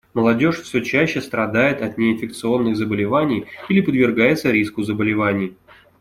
Молодежь все чаще страдает от неинфекционных заболеваний или подвергается риску заболевания.